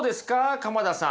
鎌田さん。